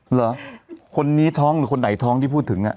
เหรอคนนี้ท้องหรือคนไหนท้องที่พูดถึง